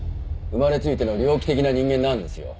生まれついての猟奇的な人間なんですよ。